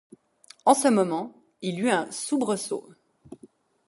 En ce moment il eut un soubresaut.